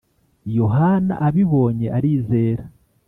yohana “abibonye, arizera